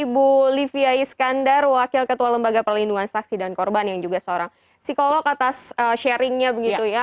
ibu livia iskandar wakil ketua lembaga perlindungan saksi dan korban yang juga seorang psikolog atas sharingnya begitu ya